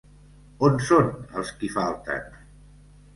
On són els qui falten?